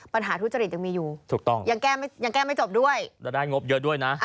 ปัญหาทุจริตยังมีอยู่ยังแก้ไม่จบด้วยถ้าได้งบเยอะด้วยนะ